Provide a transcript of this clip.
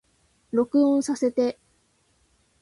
録音させて